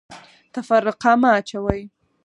تفرقه مه اچوئ